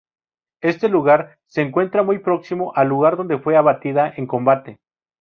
Este lugar se encuentra muy próximo al lugar donde fue abatida en combate.